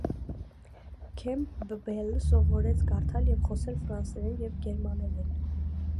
Քեմպբելը սովորեց կարդալ եւ խոսել ֆրանսերեն եւ գերմաներեն։